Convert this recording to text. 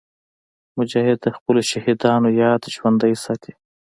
مجاهد د خپلو شهیدانو یاد ژوندي ساتي.